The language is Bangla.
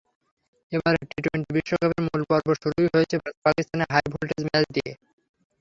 এবারের টি-টোয়েন্টি বিশ্বকাপের মূল পর্ব শুরুই হয়েছিল ভারত-পাকিস্তানের হাই ভোল্টেজ ম্যাচ দিয়ে।